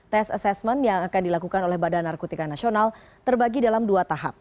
tes asesmen yang akan dilakukan oleh badan narkotika nasional terbagi dalam dua tahap